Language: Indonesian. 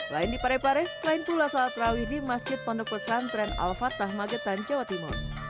lain di parepare lain pula saat rawih di masjid pondok pesantren al fatah magetan jawa timur